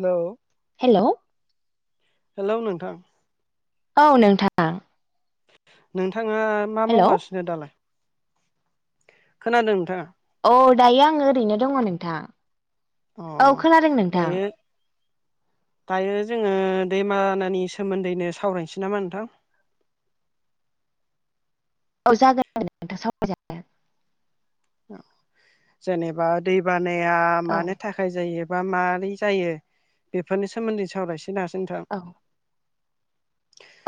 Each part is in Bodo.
हेल' हेल' हेलौ नोंथां औ नोंथां नोंथांङा मा हेलौ मावगासिनो दालाय खोनादों नोंथांङा? औ दायो आंङो ओरैनो दंङो नोंथां। अ औ खोनादों नोंथां दायो दायो जोंङो दैमानानि सोमोन्दैनो सावरायनोसै नामा नोंथां? औ जागोन नोंथां [unintelligible] औ जेनेबा दैबानाया औ मानो थाखाय थाखाय जायो बा माबारै जायो बेफोरनि सोमोन्दै सावरायसनिसै ना नोंथां? औ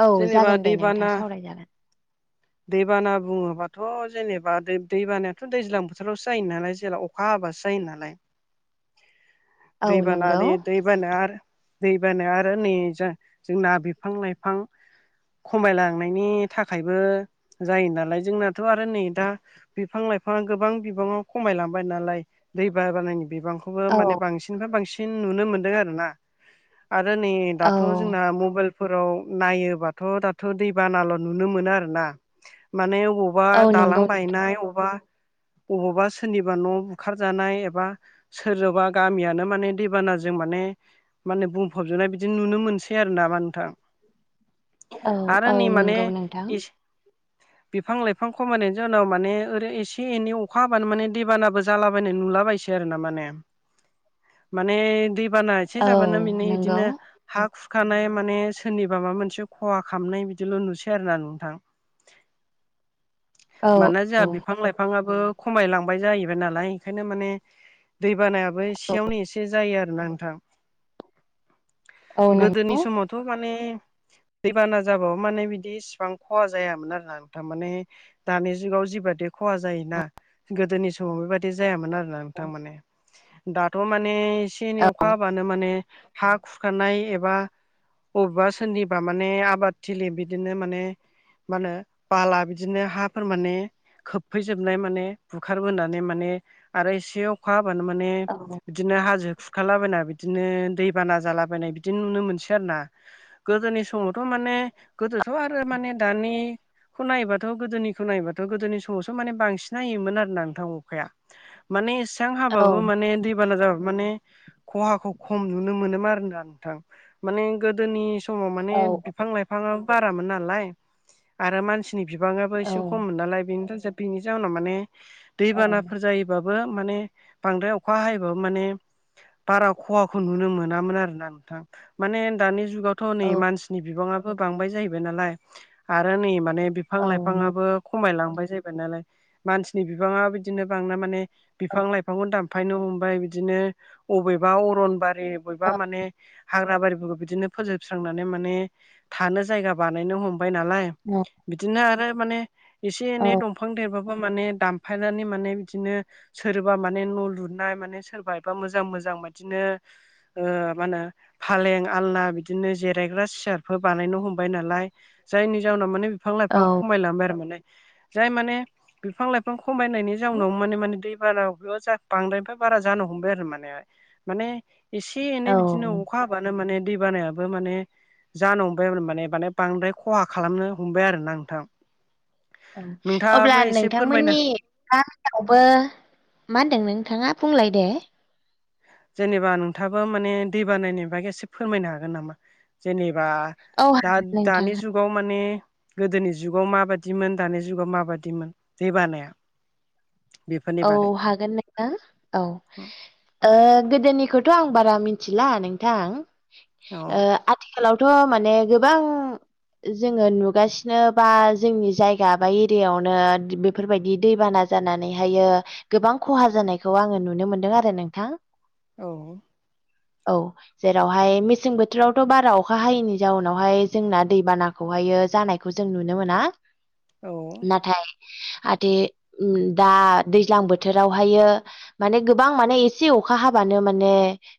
औ जेनेबा जागोन दे नोंथां दैबाना सावरायजागोन दैबाना बुंङोबाथ' जेनेबा दै दैबाना थ' दैज्लां बोथोरावसो जायो नालाय जेला अखा हाबासो जायो नालाय। औ दैइ बाना नंगौ बे दैइ दै बाना आरो दै बाना आरो नै जा जोंनाा बिफां लाइफां खमायलांनायनि थाखायबो जायो नालाय जोंनाथ' आरो नै दा बिफां लाइफां बिफाङा गोबां बिबांङाव खमायलांबाय नालाय दै ब बानायनि बिबांखौबो औ माने बांसिननिफ्राय बांसिन बां नुनो मोनदों आरोना आरो नै औ दाथ' जोंना मबेल फोराव नायोबाथ' दाथ' दै बानाल' नुनो मोनो आरोोना माने अबा बबावबा औ दालां नंगौ नोंथां बायनाय अबावबा अबावबा सोरनिबा न' बुखारजानाय एबा सोरजोंबा गामियानो माने दैबानाजों माने माने बुंफबजोबनाय बिदि नुनो मोनसै आरो नामा नोंथां? औ आरो औ नै माने नंगौ नोंथां बिफां लाइफां खमायनायनि जनाव माने ओरै एसे एसे एनै अखा हाबानो माने दैबानाबो जालाबायनाय नुलाबायसै आरो ना माने माने दैबाना एसे औ जाबानो बिनि नंगौ बिदिनो हा खुरखानाय माने सोरनिबा माबा मोनसे खहा खालामामनाय बिदिल' नुसै आरो ना नोंथां। औ माना जोंहा औ बिफां लाइ बिफांाबबो खमाय लांबाय जाहैबाय नालाय बेखायनो मान दै बाना ओमफ्राय औ सियावनो एसे जायो आरो ना नोंथां। औ नंगौ गोदोनि समावथ' माने दै बाना जाबाबो माने बिदि इसिबां खहा जायामोन आरो नोंथां माने दानि जुगाव जि बादि खहा जायोना गोदोनि समाव बेबायदि जायामोन आरोना नोंथां माने। दाथ' माने एसे एनै औ अखा हाबानो माने हा खुरखानाय एबा बबेबा सोरनिबा माने आबादथिलि बिदिनो माने मा होनो बाला बिदिनो हाफोर माने फैजोबनाय माने बुखारबोनानै माने आरो एसे अखा हाबानो माने औ बिदिनो हाजो खुरखालाबायना बिदिनो दै बाना जालाबायनाय बिदि नुनो मोनसै आरो ना। गोदोनि समावथ' माने गोदोथ' आरो माने दानिखौ नायबाथ' गोदोनिखौ नायबाथ' गोदोनि सम मावसो माने बांसिन नायोमोन आरो ना नोंथां अखाया। माने इसेबां औ हाबाबो माने दै बाना जाबाबो माने खहाखौ खम नुनो मोनोन आरोना नोंथां माने गोदोनि समाव माने बिफां-लाइफाङाबो बारामोन नालाय आरो मानसि नि बिबाङाबो औ एसे खम नालाय बेनि जाउनाव माने दै बानाफोर जायोबा माने बाबो माने बांद्राय अखा हायोबाबो माने बारा खहाखौ नुनो मोनामोन आरोना नोंथां माने दानि जुगावथ' थ' नै मानसिनि बिबाङाबो बांबाय जाहैबाय नालाय आरो नै माने बिफां-लाइफांबो खमायलांबाय जाहैबाय नालाय मानसिनि बिबाङा बिदिनो बांना माने बिफां लाइफांखौ दान फैनो हमबाय बिदिनो अबेबा अरनबारि बबेबा माने हाग्रा बारिफोरखौ बिदिनो फोजोबस्रांनानै माने थानो जायगा बानायनो हमबाय नालाय औ। बिदिनो आरो माने एसे एनै दंफां देरबाबो माने दानफायनानै माने बिदिनो सोरबा माने न' लुनाय माने सोरबा एबा मोजां मोजां बिदिनो ओ मा होनो फालें, आलना बिदिनो जिरायग्रा सियारफोर बानायनो हमबाय नालाय जायनि जाहोनाव माने बिफां औ लाइफां खमायलांबाय आरो माने जाय माने बिफां लाइफां खमायनायनि जाउनाव माने माने दै बाना बांद्रायनिफ्राय बारा जानो हमबाय आरो माने माने एसे औ एनै बिदिनो अखा अखा हाबानो माने दै बानायाबो माने जानो हमबाय आरो माने माने बांद्राय खहा खालामनो हमबाय आरोना नोंथां। औ नोंथाङाबो अब्ला एसे फोरमायनो नोंथांमोननि गामिवबो मा होनदों नोंथाङा बुंलाय दे जेनेबा नोंथाबो माने दै बानायनि बागै एसे फोरमायनो हागोन नामा? जेनेबा औ दा हागोन नोंथां दानि जुग जुगाव माने गोदोनि जुगाव माबादिमोन दानि जुगाव माबादिमोन दै बानाया? बेफोरनि औ बागै हागोन नोंथां औ। ओ गोदोनिखौथ' आं बारा मिथिला नोंथां औ ओ आथिखालावथ' माने गोबां जोङो नुगासिनो बा जोंनि जायगा बा एरियायावनो बेफोर बायदि दैबाना जानानै बेहायो गोबां खहा जानायखौ आङो नुनो मोनदों आरो नोंथां। औ। औ। जेरावहाय मेसें बोथोरावथ' बारा अखा हायैनि जाउनावहाय जोंना दै बाना खौहायो जानायखौ जों नुनो मोना। औ। नाथाय आदे उम दा दैज्लां बोथोरावहायो माने गोबां माने एसे अखा हाबानो माने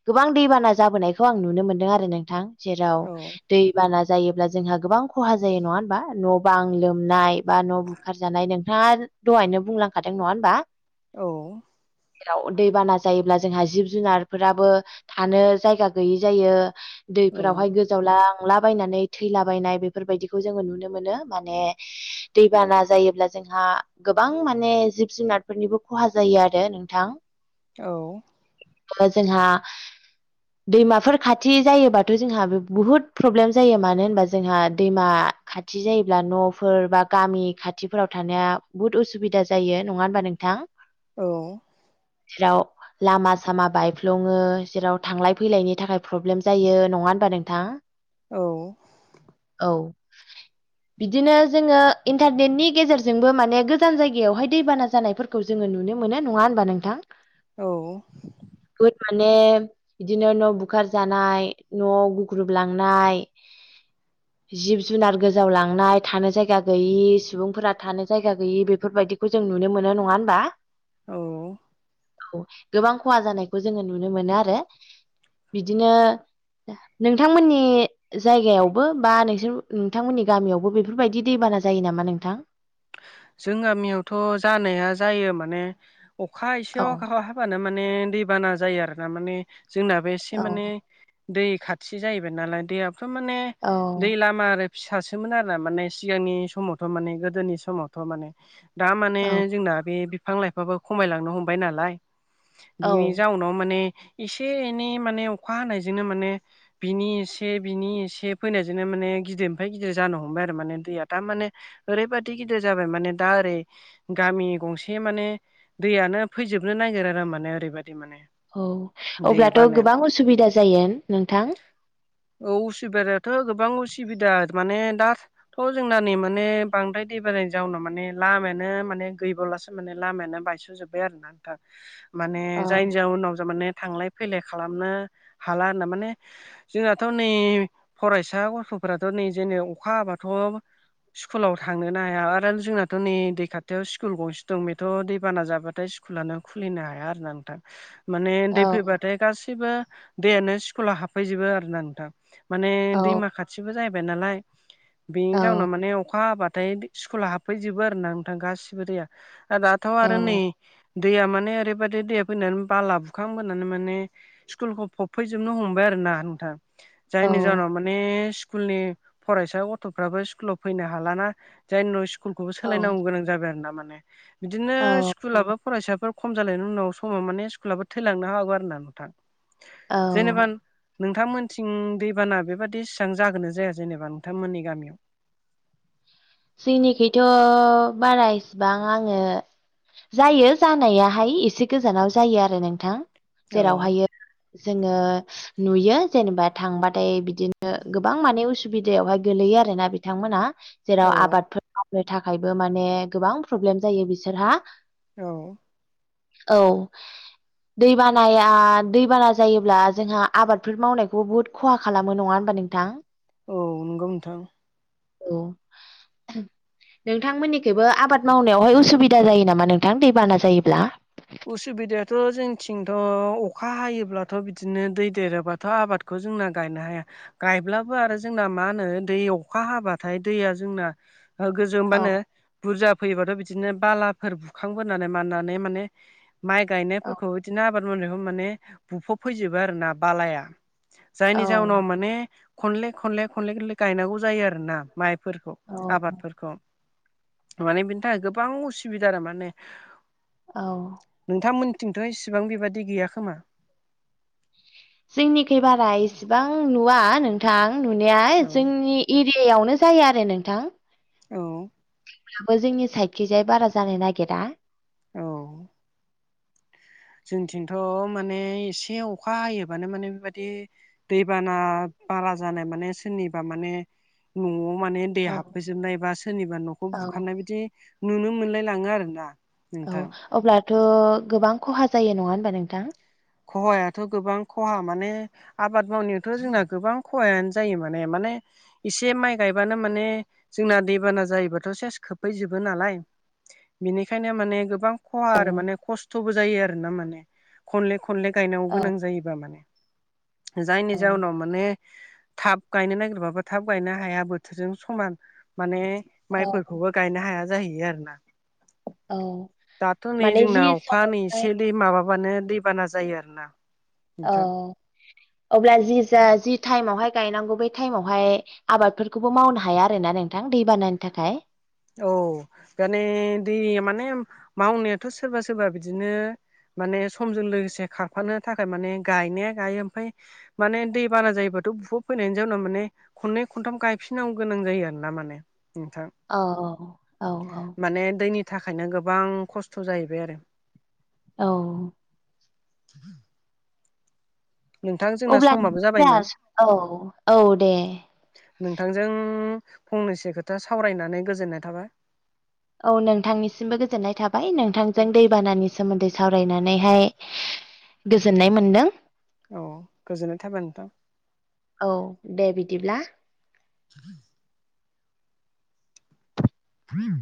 गोबां दै बाना जाबोनायखौ आं नुनो मोनदों आरो नोंथां। जेराव औ दै बाना जायोब्ला जोंहा गोबां खहा जायो नङा होमबा न' बां लोमनाय बा न' बुखारजानाय नोंथाङा दहायनो बुंलांखादों नङा होमबा औ जेराव दैबाना जायोब्ला जोंहा जिब जुनारफोराबो थानो जायगा गैयि जायो औ दैफोरावहाय गो जावलांला बायनानै थैलाबायनाय बेफोरबायदिखौ जोङो नुनो मोनो माने दैबाना जायोब्ला जोंहा गोबां माने जिब जुनारफोरनिबो खहा जायो आरो नोंथां औ ओ जोंहा [inaudible] दैमाफोर खाथि जायोबाथ' जोंहा बुहुद प्रब्लेम जायो मानो होनबा जोंहा दैमा खाथि जायोब्ला न'फोर बा गामि खाथिफोराव थानाया बुहुद उसुबिदा जा जायो नङा होनबा नोंथां औ जेराव लामा सामा बायफ्लुङो जेराव थांलाय फैलायनि थाखाय प्रब्लेम जायो नङा होनबा नोंथां औ औ बिदिनो जोङो इन्टारनेटनि गेजेरजोंबो माने गोजान जाय गायावहाय दैबाना जानायफोरखौ जोङो नुनो मोनो नङा होनबा नोंथां औ बुहुद माने बिदिनो न' बुखार जानाय न'आव गुग्रुबलांनाय जिब जुनार गोजाव लांनाय थानो जायगा गैयि सुबुंफोरा थानो जायगा गैयि बे फोरबायदिखौ जों नुनो मोनो नङा होनबा औ औ गोबां खहा जानायखौ जोङो नुनो मोनो आरो बिदिनो नोंथांमोननि जायगायावबो बा नोंसोर नोंथांमोननि गामियावबो बेफोरबायदि दैबाना जायो नामा नोंथां जों गामियावथ' जानाया जायो माने अखा औ एसेयाव [unintelligible] हाबानो माने दैबाना जायो आरो ना माने जोंनाबो एसे औ माने दै खाथि जाहैबाय नालाय दैयाथ' माने औ दै लामा आरो फिसासोमोन आरो ना माने सिगांनि समावथ' माने गोदोनि समावथ' माने दा माने औ जोंना बे बिफां लाइफाबो खमायलांनो हमबाय नालाय औ बिनि जाउ न' माने एसे एनै माने अखा हानायजोंनो माने बिनि एसे बिनि एसे फैनायजोंनो माने गिदिरनिफ्राय गिदिर जानो हमबाय आरो माने दैया थारमाने ओरैबादि गिदिर जाबाय माने दा ओरै गामि गंसे माने दैयानो फैजोबनो नागिर आरो माने ओरैबायदि माने औ अब्लाथ' देबानो गोबां उसुबिदा जायो नोंथां औ उसुबिदायाथ' गोबां उसुबिदा माने दा थ' जोंना नै माने बांद्राय दै बानानि जाउनाव माने लामायानो माने गैबावलासो माने लामायानो बायस'जोब्बाय आरो ना नोंथां माने औ जायनि जाउनाव माने थांलाय फैलाय खालामनो हाला होनना माने जोंनाथ' नै फरायसा गथ'फोराथ' नै जेने अखा हाबाथ' स्कुलाव था थांनोना हाया आरो जोंनाथ' नै दै खाथियाव स्कुल गंसे दं बेथ' दैबाना जाबाथाय स्कुल स्कुलानो खुलिनो हाया आरो ना नोंथां माने उन्दै औ फैबाथाय गाैबो दैयानो स्कुलाव हाबफैजोबो आरो ना नोंथां माने औ दैमा खाथिबो जाहैबाय नालाय बेनि औ जाउनाव माने अखा हाबा थाय स्कुला हाबफैजोबो आरो ना नोंथां गासिबो दैया दाथ' आरो नै औ दैया माने ओरैबायदि दैया फैनानै बाला बुखांबोनानै माने स्कुलखौ फबफैजोबनो हमबाय आरो ना नोंथां औ जायनि जाहोननाव माने स्कुलनि फरायसा गथ'फ्राबो स्कुलाव फैनो हालाना जायनि जाहोनाव स्कुलखौबो औ सोलायनांगौ गोनां जाबाय आरो ना माने बिदिनो औ स्कुलाबो फरायसाफोर खम जालायनायनि उनाव समाव माने स्कुलाबो थैलांनो हागौ आरो ना नोंथां औ जेनेबा नोंथांमोनथिं दैबाना बेबादि इसिबां जागोन ना जाया जेनेबा नोंथांमोननि गामियाव जोंनिखैथ' बारा इसिबां आङो जायो जानायाहाय एसे गोजानाव जायो आरो नोंथां औ जेरावहाय जोङो नुयो जेनेबा थांबाथाय बि दिनो गोबां माने उसुबिदायावहाय गोलैयो आरोना बिथांमोना औ जेराव आबादफोर मावनो थाखायबो माने गोबां प्रब्लेम जायो बिसोरहा औ औ दैबानाया दैबाना जायोब्ला जोंहा आबादफोर मावनायखौ बहुद खहा खालामो नङा होनबा नोंथां औ नंगौ नोंथां औ नोंथांमोननिखैबो आबाद मावनायावहाय उसुबिदा जायो नामा नोंथां दैबाना जायोब्ला उसुबिदायाथ' जोंथिंथ' अखा हायोब्लाथ' बिदिनो दै देरोबाथ' आबाद खौ जोंना गायनो हाया गायब्लाबो आरो जोंना मा होनो दै अखा हाबाथाय दैया जोंना औ गोजौमबानो बुरजा फैयोबाथ' बिदिनो बालाफोर बुखांबोनानै माननानै माने माइ औ गायनायफोरखौ बिदिनो आबाद मावनायखौ माने बुफबफैजोबो आरो ना बालाया जायनि औ जाहोनाव माने खनले खनले खनले खनले गायनांगौ जायो आरो ना माइफोरखौ औ आबादफोरखौ माने बिनि थाखाय गोबां उसुबिदा आरो माने औ नोंथांमोनथिंथ' इसेबां बेबादि गैया खोमा जोंनिखै बारा एसेबां नुवा नोंथां औ नुनाया जोंनि एरियायावनो जायो आरो नोंथां औ थेवबो जोंनि साइदखिजाय बारा जानो नागिरा औ जोंथिंथ' माने एसे अखा हायोबानो माने बेबादि दैबाना बारा जानाय माने सोरनिबा माने न'आव माने दै औ हाबफैजोबनाय बा सोरनिबा न'खौ औ बुखारनाय बिदि नुनो मोनलाय लाङो आरो ना औ अब्लाथ' गोबां खहा जायो नङा होनबा नोंथां खहायाथ' गोबां खहा माने आबाद मावनायावथ' जोंना गोबां खहायानो जायो माने माने एसे माइ गायबानो माने जोंना दैबाना जायोबाथ' सेस खोबहैजोबो नालाय बिनिखायनो माने गोबां खहा औ आरो माने खस्थ'बो जायो आरो ना माने खनले खनले गायनांगौ औ गोनां जायोबा माने जायनि औ जाहोनाव माने थाब गायनो नागिरबाबो थाब गायनो हाया बोथोरजों समान माने औ माइफोरखौबो गायनो हाया जाहैयो आरो ना औ दाथ' नै माने जोंना जि अखा नै समावहाय एसे दै माबाबानो दैबाना जायो आरोना औ नोंथां अब्ला जि जा जि टाइमावहाय गायनांगौ बे थाटाइमावहाय आबादफोरखौबो मावनो हाया आरो ना नोंथां दै बानानि थाखाय औ माने दैया माने मावनायाथ' सोरबा सोरबा बिदिनो माने समजों लोगोसे खारफानो थाखाय माने गायनाया गायो ओमफ्राय माने दै बाना जायोबाथ' बुहुव फैनायनि जाउनाव माने खननै खनथाम गायफिनांगौ गोनां जायो आरोना माने नोंथां। अ औ औ माने दैनि थाखायनो गोबां खस्थ' जाहैबाय आरो। औ [inaudible] नोंथां जोंना अब्ला समाबो जाबायमोन जोहा औ औ दे नोंथांजों फंनैसो खोथा सावरायनानै गोजोननाय थाबाय। औ नोंथांनिसिमबो गोजोननाय थाबाय नोंथांजों दैबानानि सोमोन्दै सावरायनानैहाय [inaudible] गोजोननाय मोनदों। औ गोजोननाय थाबाय नोंथां। औ दे बिदिब्ला [inaudible] [inaudible]